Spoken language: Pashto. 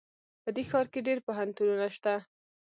په دې ښار کې ډېر پوهنتونونه شته